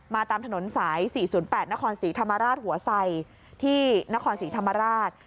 ตามถนนสาย๔๐๘นครศรีธรรมราชหัวไสที่นครศรีธรรมราช